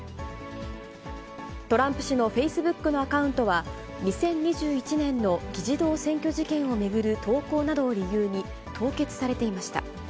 トランプ氏のフェイスブックのアカウントは、２０２１年の議事堂占拠事件を巡る投稿などを理由に凍結されていました。